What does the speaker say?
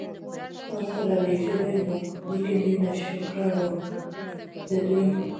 ورته را ليږلي وو، ليکن دوی ناشکره وو، د دوی